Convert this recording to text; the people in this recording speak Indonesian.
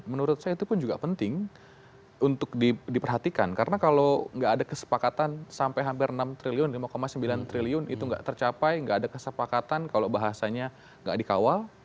menurut saya itu pun juga penting untuk diperhatikan karena kalau nggak ada kesepakatan sampai hampir enam triliun lima sembilan triliun itu nggak tercapai nggak ada kesepakatan kalau bahasanya nggak dikawal